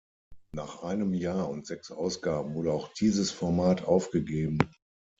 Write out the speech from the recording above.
Nach einem Jahr und sechs Ausgaben wurde auch dieses Format aufgegeben.